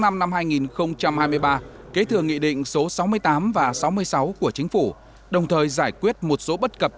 năm hai nghìn hai mươi ba kế thừa nghị định số sáu mươi tám và sáu mươi sáu của chính phủ đồng thời giải quyết một số bất cập